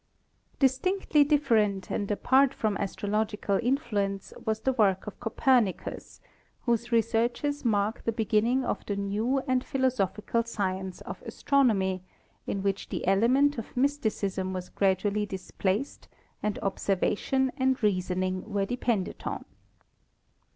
Distinctly different and apart from astrological influence was the work of Copernicus, whose researches mark the beginning of the new and philosophical science of astron omy, in which the element of mysticism was gradually dis placed and observation and reasoning were depended on.